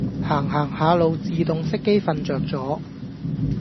行行下路自動熄機瞓著咗